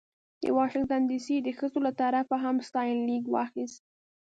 د واشنګټن ډې سي د ښځو له طرفه هم ستاینلیک واخیست.